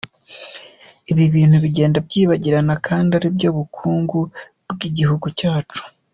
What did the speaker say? Ibi bintu bigenda byibagirana kandi ari byo bukungu bw’igihugu cyacu.